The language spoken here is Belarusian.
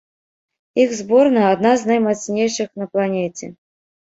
Іх зборная адна з наймацнейшых на планеце.